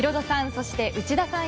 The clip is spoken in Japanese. そして内田さん